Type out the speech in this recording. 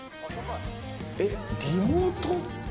えっ、リモート？